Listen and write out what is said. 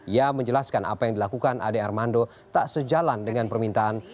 ia menjelaskan apa yang dilakukan ade armando tak sejalan dengan permintaan